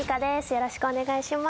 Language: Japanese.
よろしくお願いします。